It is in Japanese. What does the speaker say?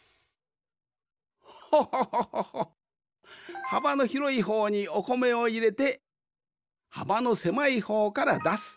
ホホホホホッはばのひろいほうにおこめをいれてはばのせまいほうからだす。